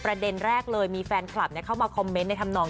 แรงอยู่นะจริง